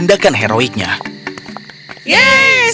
mereka menangkapnya dengan berat